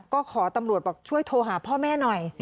ก็ขอตำรวจบอกช่วยโทรหาพ่อแม่หน่อย